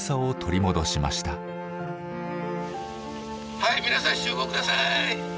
はい皆さん集合ください！